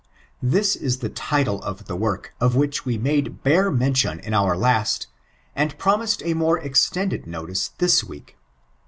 — This is the title of die work of wlikh we made btre mentioii in cfor hat, and pramiaed a more extended notioa tfaia week.